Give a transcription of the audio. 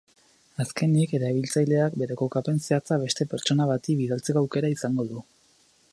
Azkenik, erabiltzaileak bere kokapen zehatza beste pertsona bati bidaltzeko aukera izango du.